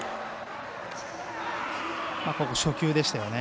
初球でしたよね。